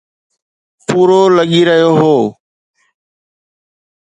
پورو لڳي رهيو هو.